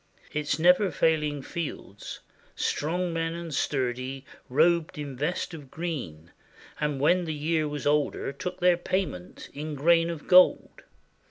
Its never failing fields Strong men and sturdy robed in vest of green, And when the year was older took their payment In grain of gold.